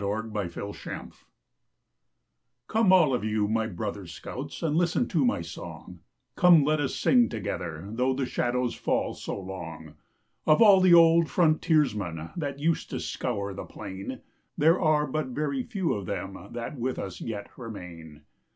THE OLD SCOUT'S LAMENT Come all of you, my brother scouts, And listen to my song; Come, let us sing together Though the shadows fall so long. Of all the old frontiersmen That used to scour the plain There are but very few of them That with us yet remain.